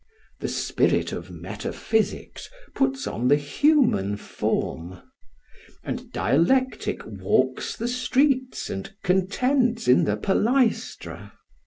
The spirit of metaphysics puts on the human form; and Dialectic walks the streets and contends in the palaestra.